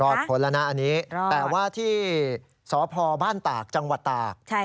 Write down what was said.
ผลแล้วนะอันนี้แต่ว่าที่สพบ้านตากจังหวัดตาก